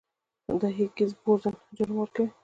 د هیګز بوزون جرم ورکوي.